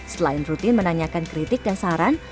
selain rutin menanyakan kritik dan saran